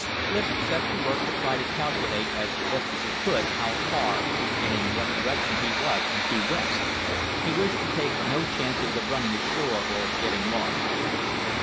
Clif set to work to try to calculate as best he could how far and in what direction he was from Key West; he wished to take no chances of running ashore or getting lost.